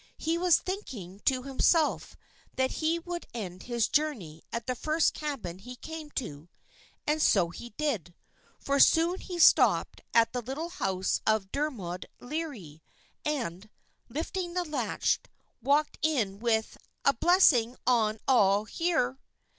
He was thinking to himself that he would end his journey at the first cabin he came to. And so he did, for soon he stopped at the little house of Dermod Leary, and, lifting the latch, walked in with: "A blessing on all here!"